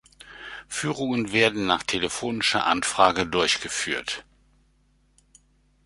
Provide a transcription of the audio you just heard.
Führungen werden nach telefonischer Anfrage durchgeführt.